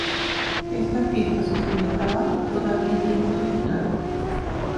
Esta fiesta se celebraba todavía en tiempos de Plutarco.